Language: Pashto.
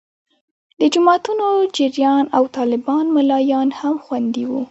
د جوماتونو چړیان او طالبان ملایان هم خوندي وو.